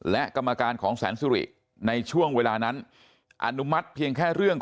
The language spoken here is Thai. และกรรมการของแสนสุริในช่วงเวลานั้นอนุมัติเพียงแค่เรื่อง